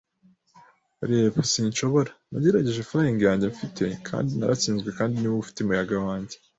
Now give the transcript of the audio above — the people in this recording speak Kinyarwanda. reba, sinshobora? Nagerageje fling yanjye, mfite, kandi naratsinzwe, kandi niwowe ufite umuyaga wanjye.